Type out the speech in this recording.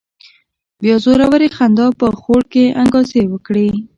بيا زورورې خندا په خوړ کې انګازې وکړې.